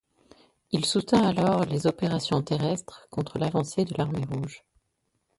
Il soutint alors les opérations terrestres contre l'avancée de l'armée rouge.